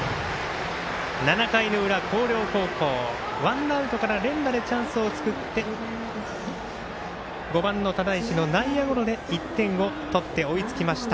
７回の裏、広陵高校ワンアウトから連打でチャンスを作って５番の只石の内野ゴロで１点を取って、追いつきました。